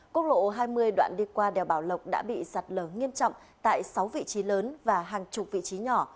quốc lộ hai mươi đoạn đi qua đèo bảo lộc đã bị sạt lở nghiêm trọng tại sáu vị trí lớn và hàng chục vị trí nhỏ